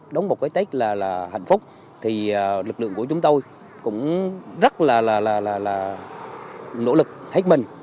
đóng một cái tết là hạnh phúc thì lực lượng của chúng tôi cũng rất là nỗ lực hết mình